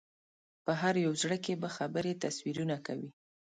په هر یو زړه کې به خبرې تصویرونه کوي